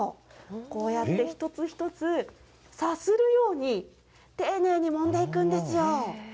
こうやって一つ一つ、さするように丁寧にもんでいくんですよ。